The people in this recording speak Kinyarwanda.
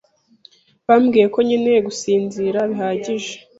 Bambwiye ko nkeneye gusinzira bihagije.